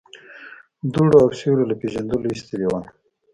دوړو او سيورو له پېژندلو ايستلي ول.